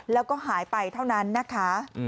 แล้วก็หายไปเท่านั้นนะคะ